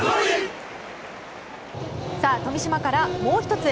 富島からもう１つ。